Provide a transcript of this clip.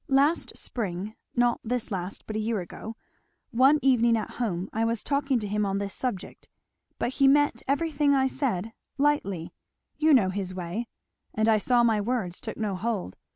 "Last spring not this last, but a year ago one evening at home I was talking to him on this subject; but he met everything I said lightly you know his way and I saw my words took no hold.